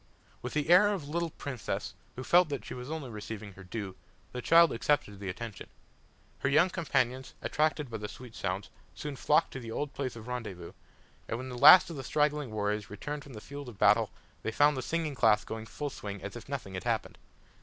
With the air of a little princess, who felt that she was only receiving her due, the child accepted the attention. Her young companions, attracted by the sweet sounds, soon flocked to the old place of rendezvous, and when the last of the straggling warriors returned from the field of battle they found the singing class going full swing as if nothing had happened.